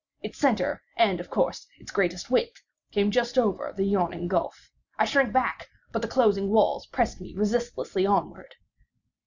Its centre, and of course, its greatest width, came just over the yawning gulf. I shrank back—but the closing walls pressed me resistlessly onward.